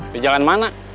di jalan mana